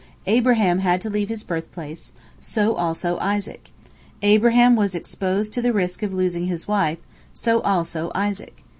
Abraham had to leave his birthplace; so also Isaac. Abraham was exposed to the risk of losing his wife; so also Isaac.